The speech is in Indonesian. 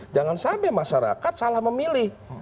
jangan sampai masyarakat salah memilih